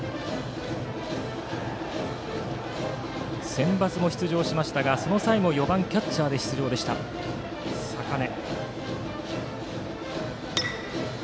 センバツも出場しましたがその際も４番キャッチャーで出場した坂根。